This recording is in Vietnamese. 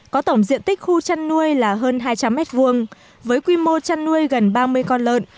có tổng diện tích khu chăn nuôi là hơn hai trăm linh m hai với quy mô chăn nuôi gần ba mươi con lợn